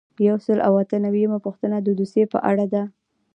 یو سل او اته نوي یمه پوښتنه د دوسیې په اړه ده.